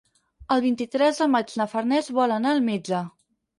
El vint-i-tres de maig na Farners vol anar al metge.